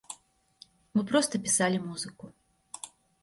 Мы проста пісалі музыку.